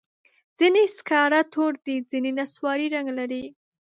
ځینې سکاره تور دي، ځینې نسواري رنګ لري.